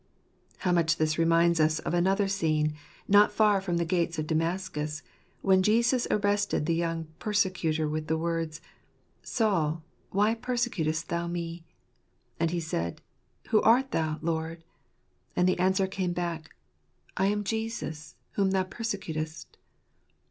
How much this reminds us of another scene, not far from the gates of Damascus, when Jesus arrested the young persecutor with the words, "Saul, why persecutest thou Me?" And he said, " Who art Thou, Lord ?" And the answer came back, "I am Jesus, whom thou persecutest."